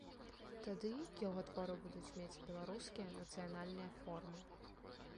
Тады яго творы будуць мець беларускія нацыянальныя формы.